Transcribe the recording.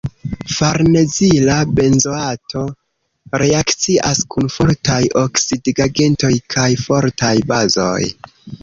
Farnezila benzoato reakcias kun fortaj oksidigagentoj kaj fortaj bazoj.